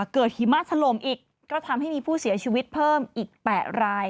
หิมะถล่มอีกก็ทำให้มีผู้เสียชีวิตเพิ่มอีก๘ราย